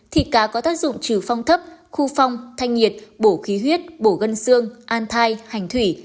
thịt cá có tác dụng trừ phong thấp khu phong thanh nhiệt bổ khí huyết bổ gân xương an thai hành thủy